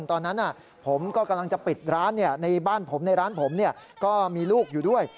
ตอนนั้นผมก็กำลังจะปิดร้านในบ้านผมในร้านผมก็มีลูกอยู่ด้วย